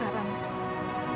kamu sangat beruntung ratu